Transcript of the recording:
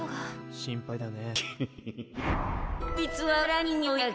心配だよね。